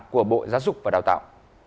của bộ giáo dục và đào tạo